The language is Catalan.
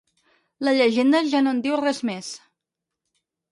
La llegenda ja no en diu res més.